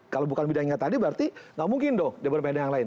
kalau bukan bidangnya tadi berarti nggak mungkin dong dia bermain dengan yang lain